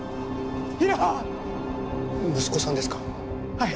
はい！